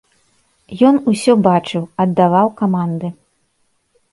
Ён усё бачыў, аддаваў каманды.